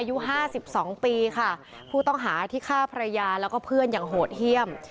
อายุห้าสิบสองปีค่ะผู้ต้องหาที่ฆ่าภรรยาแล้วก็เพื่อนอย่างโหดเยี่ยม